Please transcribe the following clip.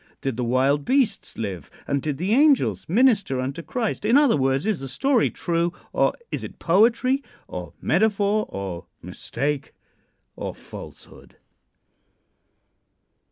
Did the wild beasts live and did the angels minister unto Christ? In other words, is the story true, or is it poetry, or metaphor, or mistake, or falsehood?